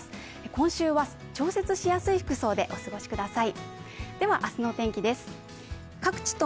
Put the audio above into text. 今週は調節しやすい服装でお過ごしください。